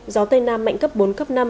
gió tây nam mạnh cấp bốn cấp năm